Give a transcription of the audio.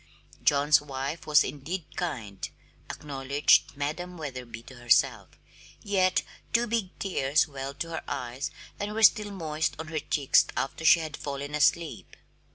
John's wife was indeed kind, acknowledged Madam Wetherby to herself, yet two big tears welled to her eyes and were still moist on her cheeks after she had fallen asleep.